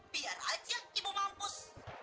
biar aja ibu mampus